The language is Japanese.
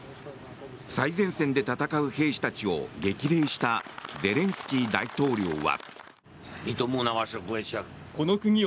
最前線で戦う兵士たちを激励したゼレンスキー大統領は。